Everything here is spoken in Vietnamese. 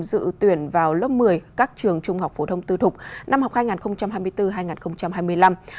dự tuyển vào lớp một mươi các trường trung học phổ thông tư thục năm học hai nghìn hai mươi bốn hai nghìn hai mươi năm